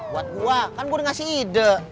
buat gua kan gua udah ngasih ide